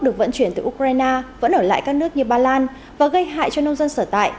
được vận chuyển từ ukraine vẫn ở lại các nước như ba lan và gây hại cho nông dân sở tại